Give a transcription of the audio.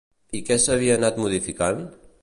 I què s'havia anat modificant?